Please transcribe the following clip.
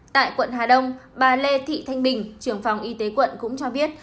tại quận hà đông bà lê thị thanh bình trưởng phòng y tế quận cũng cho biết